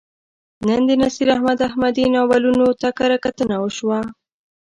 نن د نصیر احمد احمدي ناولونو ته کرهکتنه وشوه.